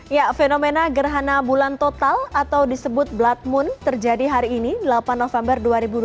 ya fenomena gerhana bulan total atau disebut blood moon terjadi hari ini delapan november dua ribu dua puluh